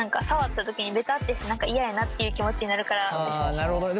ああなるほどね。